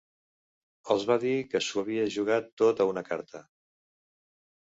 Els va dir que s'ho havia jugat tot a una carta.